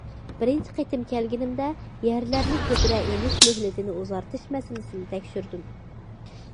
بىرىنچى قېتىم كەلگىنىمدە يەرلەرنى كۆتۈرە ئېلىش مۆھلىتىنى ئۇزارتىش مەسىلىسىنى تەكشۈردۈم.